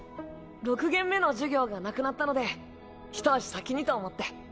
６限目の授業がなくなったのでひと足先にと思って。